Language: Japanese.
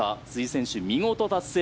辻選手、見事達成。